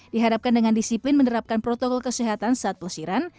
diharapkan dengan disiplin menerapkan protokol kesehatan saat pesiran